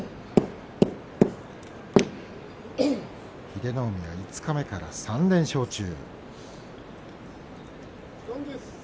英乃海は五日目から３連勝中。